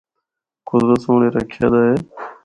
قدرت سنڑ اے رکھیا دا اے۔